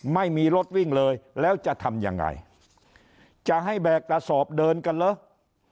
ไม่มีรถวิ่งเลยแล้วจะทำยังไงจะให้แบกกระสอบเดินกันเหรอ